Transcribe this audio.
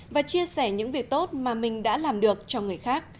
và chia sẻ những việc tốt mà mình đã làm được cho người khác